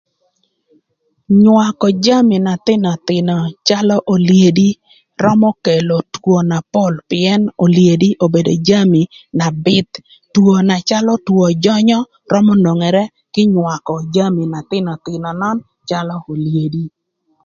Nywakö jami na thïnöthïnö calö olyedi römö kelo two na pol pïën olyedi obedo jami na bïth. Two na calö two jönyö römö nwongere kï nywakö jami na thïnöthïnö nön calö olyedi.